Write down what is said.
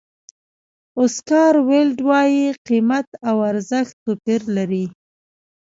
اوسکار ویلډ وایي قیمت او ارزښت توپیر لري.